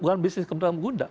bukan bisnis penggandaan gunda